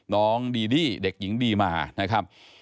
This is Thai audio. น้องดีดี้เด็กหญิงดีมานะครับ